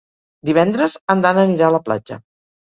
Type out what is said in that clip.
Divendres en Dan anirà a la platja.